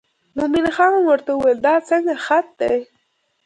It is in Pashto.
مومن خان ورته وویل دا څنګه خط دی.